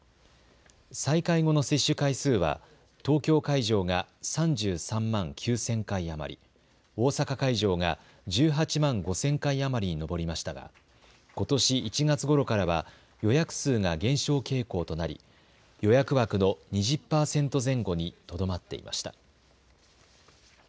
再開後の接種回数は東京会場が３３万９０００回余り、大阪会場が１８万５０００回余りに上りましたが、ことし１月ごろからは予約数が減少傾向となり予約枠の２０％前後にとどまっていました。